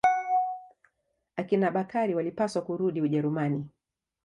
Akina Bakari walipaswa kurudi Ujerumani.